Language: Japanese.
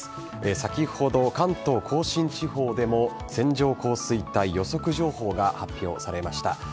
先ほど、関東甲信地方でも線状降水帯予測情報が発表されました。